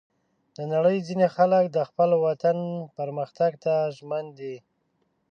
د نړۍ ځینې خلک د خپل وطن پرمختګ ته ژمن دي.